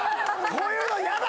こういうの嫌だ‼